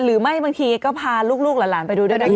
หรือไม่บางทีก็พาลูกหลานไปดูด้วยนะคะ